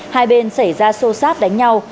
hai bên xảy ra sô sát đánh nhau